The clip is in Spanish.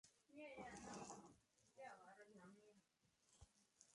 Su mayor distintivo son las figuras de terracota que se han podido conservar.